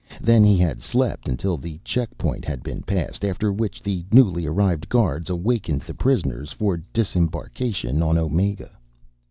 Then he had slept until the checkpoint had been passed, after which the newly arrived guards awakened the prisoners for disembarkation on Omega....